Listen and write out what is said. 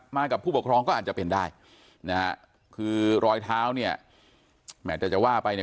กับผู้ปกครองก็อาจจะเป็นได้นะฮะคือรอยเท้าเนี่ยแหมแต่จะว่าไปเนี่ย